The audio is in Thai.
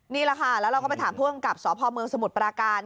นี่แหละค่ะแล้วเราก็ไปถามผู้กำกับสพเมืองสมุทรปราการ